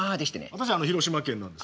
私広島県なんです。